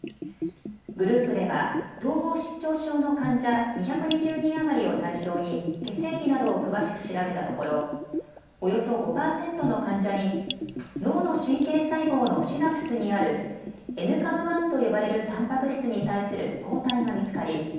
グループでは統合失調症の患者２２０人余りを対象に血液などを詳しく調べたところおよそ５％の患者に脳の神経細胞のシナプスにあるＮＣＡＭ１と呼ばれるたんぱく質に対する抗体が見つかり